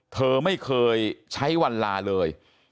เธอไม่เคยใช้วันลาเลย